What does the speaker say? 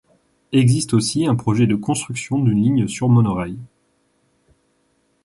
Existe aussi un projet de construction d'une ligne sur monorail.